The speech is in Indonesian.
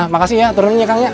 makasih ya turunin ya kang ya